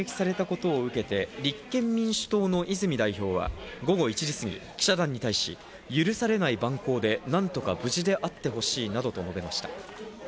安倍総理大臣が銃撃されたことを受けて立憲民主党の泉代表は午後１時すぎ、記者団に対し、許されない蛮行で何とか無事であってほしいなどと述べました。